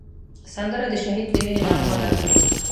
سندره د شهید د وینې نغمه ده